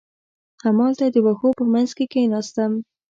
همالته د وښو په منځ کې کېناستم.